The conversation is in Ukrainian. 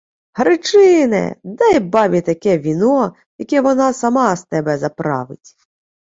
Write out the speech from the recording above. — Гречине! Дай бабі таке віно, яке вона сама з тебе заправить!